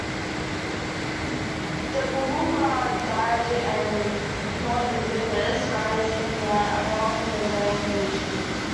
The Boumba, Dja, and Nyong rivers rise in the Abong-Mbang region.